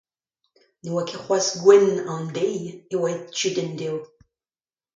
Ne oa ket c'hoazh gwenn an deiz e oa aet kuit endeo.